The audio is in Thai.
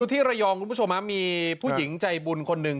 คุณผู้ชมที่ระยองมีผู้หญิงใจบุญคนหนึ่ง